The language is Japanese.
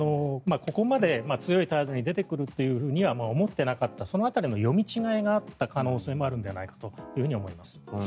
ここまで強い態度に出てくるとは思っていなかったその辺りの読み違いがあった可能性があるんじゃないかとも思います。